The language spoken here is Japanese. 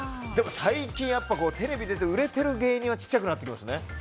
最近、テレビ出て売れている芸人は小さくなってきますね。